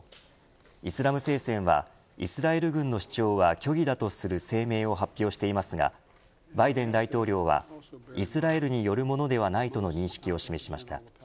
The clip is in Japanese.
イスラム聖戦はイスラエル軍の主張は虚偽だとする声明を発表していますがバイデン大統領はイスラエルによるものではないとの認識を示しました。